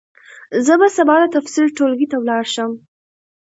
زه به سبا د تفسیر ټولګي ته ولاړ شم.